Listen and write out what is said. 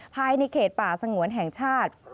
ภายในเขตป่าสงวนแห่งชาติ